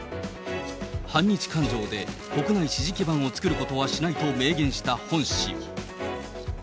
反日感情で国内支持基盤を作ることはしないと明言したホン氏。